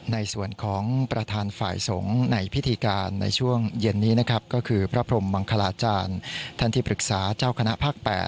ในส่วนของประธานฝ่ายสงฆ์ในพิธีการในช่วงเย็นนี้นะครับก็คือพระพรมมังคลาจารย์ท่านที่ปรึกษาเจ้าคณะภาค๘